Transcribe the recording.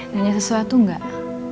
danyakan sesuatu gak